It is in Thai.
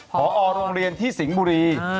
พอโรงเรียนที่สิงห์บุรี